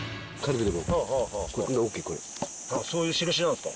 そういう印なんすか？